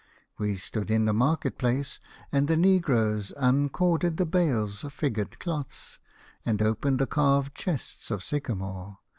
We stood in the market place, and the negroes uncorded the bales of figured cloths and opened the carved chests of sycamore.